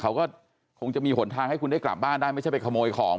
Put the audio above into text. เขาก็คงจะมีหนทางให้คุณได้กลับบ้านได้ไม่ใช่ไปขโมยของ